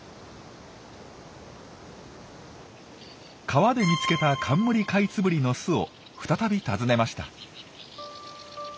川で見つけたカンムリカイツブリの巣を再び訪ねました。